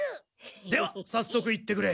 ではさっそく行ってくれ。